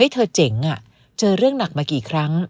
เธอเจ๋งเจอเรื่องหนักมากี่ครั้ง